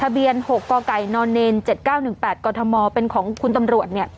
ทะเบียนหกก่อไก่นอนเนนเจ็ดเก้าหนึ่งแปดพอว์ก่อถหมอเป็นของคุณตำรวจเนี่ย